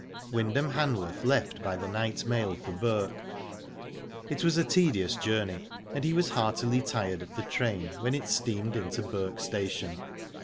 Wyndham Hanworth left by the night mail for Bourke. It was a tedious journey, and he was heartily tired of the train, when it steamed into Bourke Station.